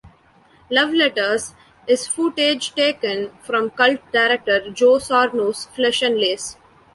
"Love Letters" is footage taken from cult director Joe Sarno's "Flesh and Lace".